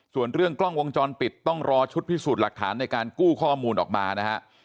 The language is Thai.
ส่วนเรื่องกล้องวงจรปิดต้องรอชุดพิสูจน์หลักฐานในการกู้ข้อมูลออกมานะฮะ